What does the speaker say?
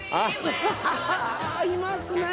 いますね。